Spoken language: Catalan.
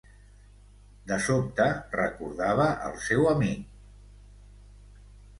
De sobte, recordava el seu amic.